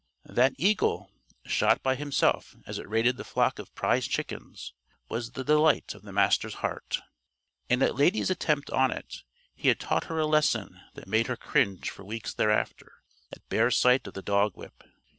That eagle, shot by himself as it raided the flock of prize chickens, was the delight of the Master's heart. And at Lady's attempt on it, he had taught her a lesson that made her cringe for weeks thereafter at bare sight of the dog whip.